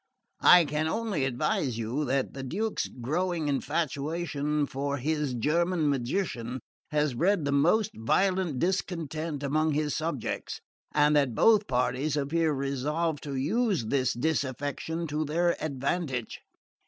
I can only advise you that the Duke's growing infatuation for his German magician has bred the most violent discontent among his subjects, and that both parties appear resolved to use this disaffection to their advantage.